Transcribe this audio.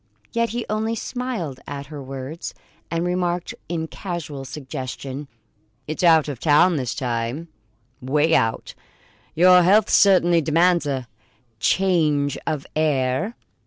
Yet he only smiled at her words and remarked in casual suggestion: "It's out of town this time 'way out. Your health certainly demands a change of air."